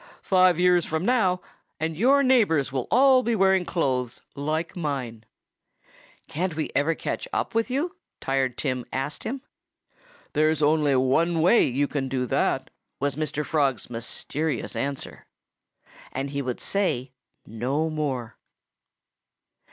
"Five years from now and your neighbors will all be wearing clothes like mine." "Can't we ever catch up with you?" Tired Tim asked him. "There's only one way you can do that," was Mr. Frog's mysterious answer. And he would say no more.